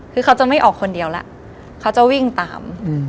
คือเขาจะไม่ออกคนเดียวแล้วเขาจะวิ่งตาม